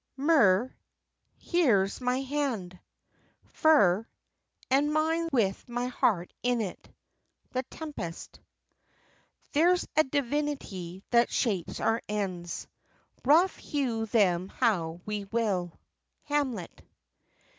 MIR. "Here's my hand." FER. "And mine with my heart in it." The Tempest. "There's a divinity that shapes our ends, Rough hew them how we will." _Hamlet.